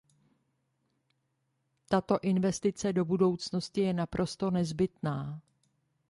Tato investice do budoucnosti je naprosto nezbytná.